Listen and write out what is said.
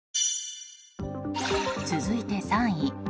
続いて３位。